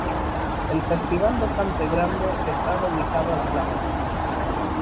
El Festival de Cante Grande está dedicado al flamenco.